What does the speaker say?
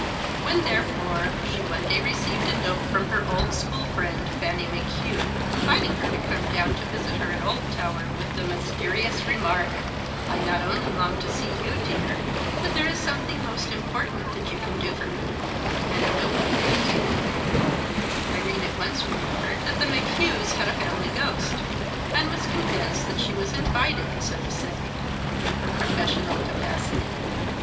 When, therefore, she one day received a note from her old school friend Fanny McHugh, inviting her to come down to visit her at Oldtower, with the mysterious remark, "I not only long to see you, dear, but there is something most important that you can do for me, and nobody but you," Irene at once remembered that the McHughs had a family ghost, and was convinced that she was invited, so to say, in her professional capacity.